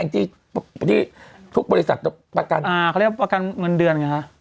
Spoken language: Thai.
ที่ทุกบริษัทประกันเขาเรียกประกันเงินเดือนไงฮะ